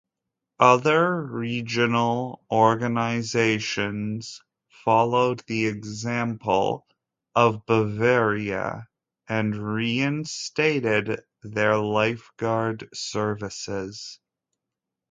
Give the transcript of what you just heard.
Other regional organizations followed the example of Bavaria and reinstated their lifeguard services.